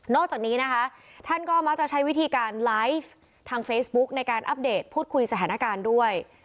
จากนี้นะคะท่านก็มักจะใช้วิธีการไลฟ์ทางเฟซบุ๊กในการอัปเดตพูดคุยสถานการณ์ด้วย